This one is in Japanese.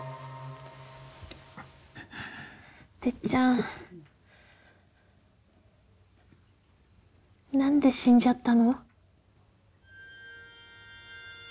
てっちゃん何で死んじゃったの？